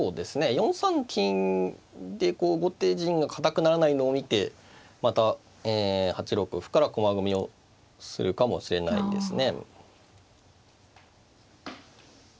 ４三金で後手陣が堅くならないのを見てまた８六歩から駒組みをするかもしれないですね。